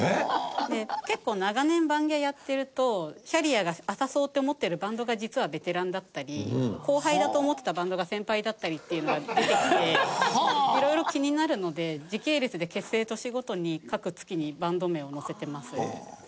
結構長年バンギャやってるとキャリアが浅そうって思ってるバンドが実はベテランだったり後輩だと思ってたバンドが先輩だったりっていうのが出てきて色々気になるので時系列で結成年ごとに各月にバンド名を載せてます。